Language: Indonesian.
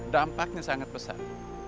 dampaknya sangat besar